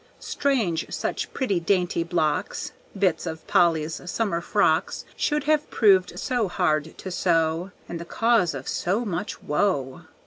Strange such pretty, dainty blocks Bits of Polly's summer frocks Should have proved so hard to sew, And the cause of so much woe!